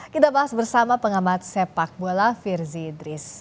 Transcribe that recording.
kita bahas bersama pengamat sepak bola firzi idris